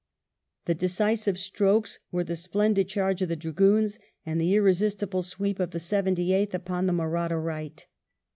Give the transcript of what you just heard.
The decisive strokes were the splendid charge of the Dragoons and the irresistible sweep of the Seventy eighth upon the Mahratta right.